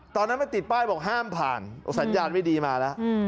ตอนนั้นมันติดป้ายบอกห้ามผ่านสัญญาณไม่ดีมาแล้ว